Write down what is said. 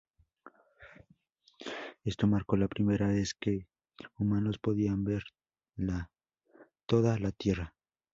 Esto marcó la primera vez que humanos podían ver la toda la Tierra.